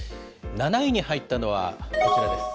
７位に入ったのは、こちらです。